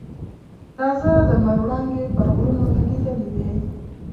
تازه د لمر وړانګې پر غرونو لګېدلې وې.